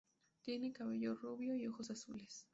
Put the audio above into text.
Tiene cabello rubio y ojos azules.